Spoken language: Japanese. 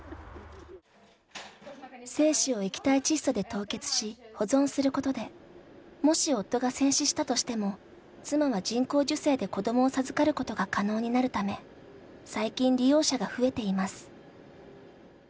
精子を液体窒素で凍結し保存することでもし夫が戦死したとしても妻は人工授精で子供を授かることが可能になるため最近、利用者が増えています。